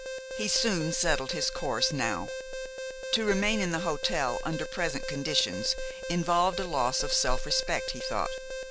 He soon settled his course now. To remain in the hotel under present conditions involved a loss of self respect, he thought.